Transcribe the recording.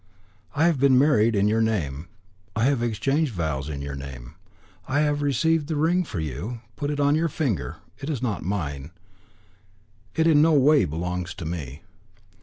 I have been married in your name; I have exchanged vows in your name; I have received the ring for you; put it on your finger, it is not mine; it in no way belongs to me.